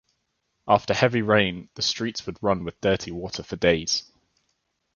After a heavy rain the streets would run with dirty water for days.